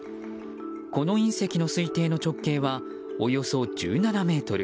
この隕石の推定の直径はおよそ１７ｍ。